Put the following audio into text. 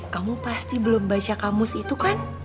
kamu pasti belum baca kamus itu kan